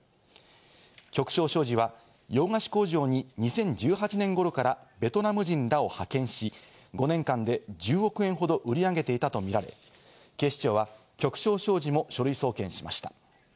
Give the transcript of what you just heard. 旭昇商事は、洋菓子工場に２０１８年頃からベトナム人らを派遣し、５年間で１０億円ほど売り上げていたとみられ、警視庁は旭昇商事も書類送検しました。